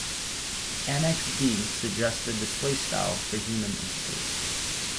Annex D suggests a display style for human interface.